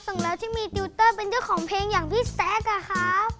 ส่งแล้วที่มีติวเตอร์เป็นเจ้าของเพลงอย่างพี่แซ็กอะครับ